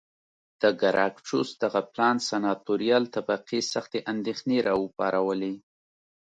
د ګراکچوس دغه پلان سناتوریال طبقې سختې اندېښنې را وپارولې